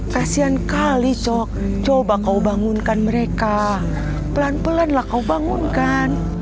kasian kali sok coba kau bangunkan mereka pelan pelan lah kau bangunkan